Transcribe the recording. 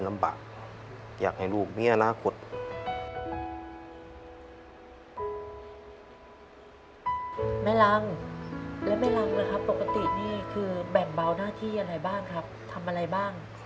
แม่รังและแม่รังล่ะครับปกตินี่คือแบ่งเบาหน้าที่อะไรบ้างครับทำอะไรบ้าง